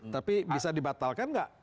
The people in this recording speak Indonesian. tapi bisa dibatalkan gak